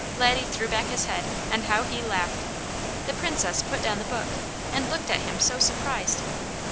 Laddie threw back his head, and how he laughed! The Princess put down the book and looked at him so surprised.